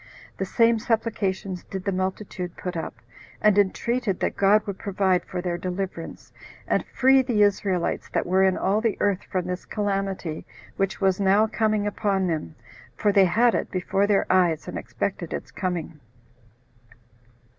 The same supplications did the multitude put up, and entreated that God would provide for their deliverance, and free the Israelites that were in all the earth from this calamity which was now coming upon them, for they had it before their eyes, and expected its coming.